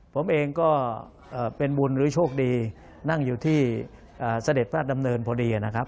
ผมเองก็เป็นบุญหรือโชคดีนั่งอยู่ที่เสด็จพระราชดำเนินพอดีนะครับ